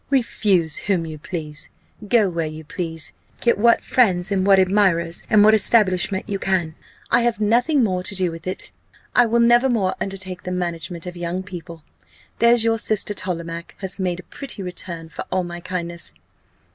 Refuse whom you please go where you please get what friends, and what admirers, and what establishment you can I have nothing more to do with it I will never more undertake the management of young people. There's your sister Tollemache has made a pretty return for all my kindness!